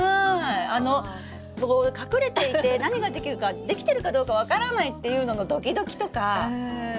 あのこう隠れていて何ができるかできてるかどうか分からないっていうののドキドキとかもありましたね。